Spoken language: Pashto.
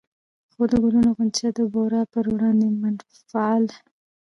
خو د ګلو غونچه د بورا پر وړاندې منفعل